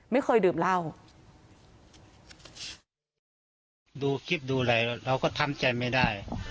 ไม่เคยดื่มเหล้า